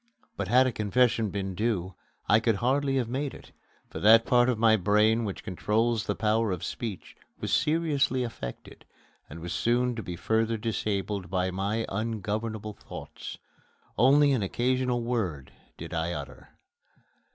But had a confession been due, I could hardly have made it, for that part of my brain which controls the power of speech was seriously affected, and was soon to be further disabled by my ungovernable thoughts. Only an occasional word did I utter.